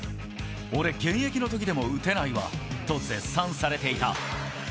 俺、現役の時でも打てないわと絶賛されていた。